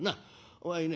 お前ね